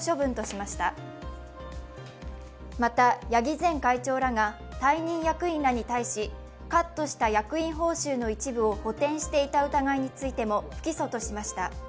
また、八木前会長らが退任役員に対し、カットした役員報酬の一部を補てんしていた疑いについても不起訴としました。